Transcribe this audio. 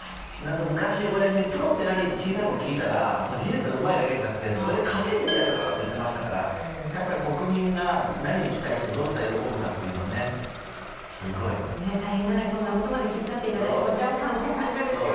昔、おやじにプロって何って聞いたら技術がうまいだけじゃなくて、それで稼いでるやつらだと言ってましたから国民が何に期待して、どうしたら喜ぶかというのをね、すごい。大変なのにそんなことまで気遣っていただいてこちらは感謝、感謝ですよね。